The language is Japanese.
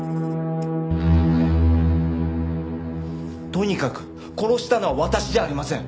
とにかく殺したのは私じゃありません。